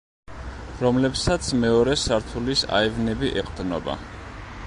რომლებსაც მეორე სართულის აივნები ეყრდნობა.